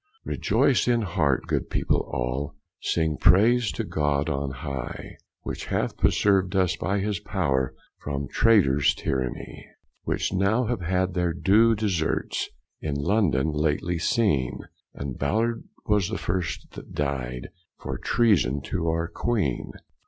Rejoyce in hart, good people all, Sing praise to God on hye, Which hath preserved us by his power From traitors tiranny; Which now have had their due desarts, In London lately seen; And Ballard was the first that died, For treason to our Queene.